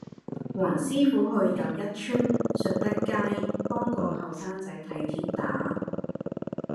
黃師傅去又一村述德街幫個後生仔睇跌打